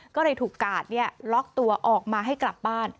ก็เลยถูกกาดล็อกตัวออกมาให้กลับบ้าน